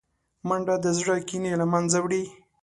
منډه د زړه کینې له منځه وړي